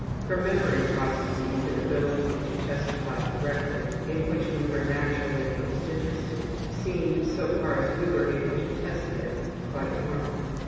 Her memory processes and ability to testify correctly in which we were naturally most interested seemed, so far as we were able to test them, quite normal.